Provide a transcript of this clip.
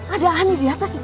ada aneh di atas di toilet